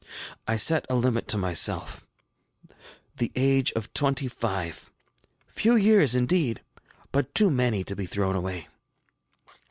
I set a limit to myself, the age of twenty five, few years indeed, but too many to be thrown away.